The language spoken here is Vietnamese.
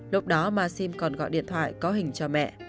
lúc đó maxim còn gọi điện thoại có hình cho mẹ